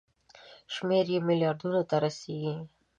شمېر یې ملیاردونو ته رسیږي.